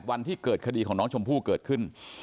วันที่เกิดคดีของน้องชมพู่เกิดขึ้น